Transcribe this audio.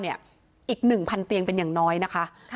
อีก๑๐๐เตียงเป็นอย่างน้อยนะคะ